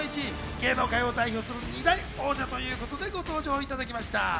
芸能界を代表する二大王者ということでご登場いただきました。